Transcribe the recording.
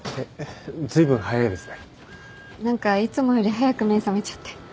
何かいつもより早く目覚めちゃって。